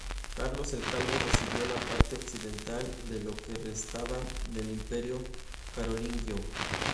Carlos el Calvo recibió la parte occidental de lo que restaba del Imperio carolingio.